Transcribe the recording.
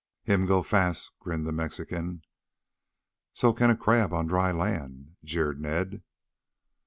"Him go fast," grinned the Mexican. "So can a crab on dry land," jeered Ned.